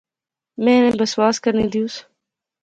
میں ایویں بسواس کرنی دیوس